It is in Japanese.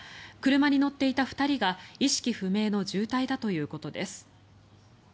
車に乗っていた２人が意識不明の重体だということです。